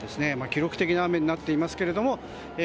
記録的な雨になっていますが。